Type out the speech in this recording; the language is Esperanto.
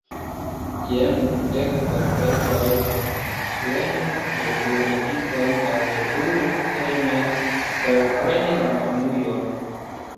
Jen dudek kopekoj; prenu veturigiston kaj veturu hejmen, por preni la monujon.